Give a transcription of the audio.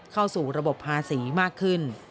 เข้าสู่ระบบภาษีมากขึ้น